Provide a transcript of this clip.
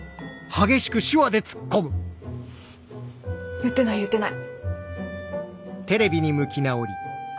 言ってない言ってない。